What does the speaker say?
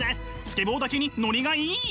スケボーだけにノリがいい！